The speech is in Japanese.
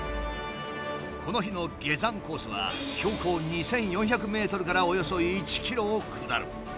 この日の下山コースは標高２，４００ｍからおよそ１ｋｍを下る。